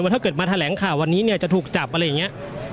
ถ้าเกิดมาแถลงข่าววันนี้เนี่ยจะถูกจับอะไรอย่างนี้